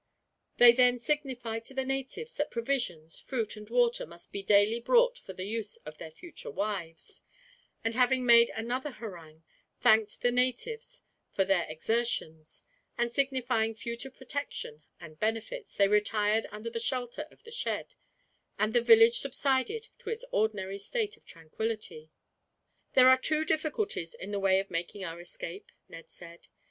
They then signified to the natives that provisions, fruit, and water must be daily brought for the use of their future wives; and having made another harangue, thanking the natives for their exertions, and signifying future protection and benefits, they retired under the shelter of the shed, and the village subsided to its ordinary state of tranquility. "There are two difficulties in the way of making our escape," Ned said.